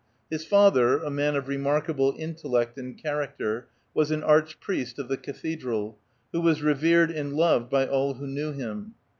His father, a man of remarkable intellect and character, was an archpriest of the cathedral, who was revered and loved by all who knew him.